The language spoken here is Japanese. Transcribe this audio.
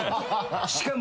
しかも。